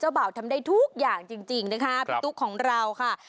บ่าวทำได้ทุกอย่างจริงนะคะพี่ตุ๊กของเราค่ะ